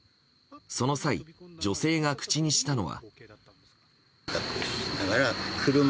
その際、女性が口にしたのは。